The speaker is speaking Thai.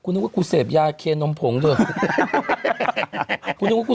คุณนึกว่าคุณเสพยาทรเตมงพงษ์ด้วย